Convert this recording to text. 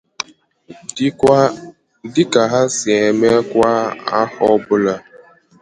dịka ha si eme kwa ahọ ọbụla.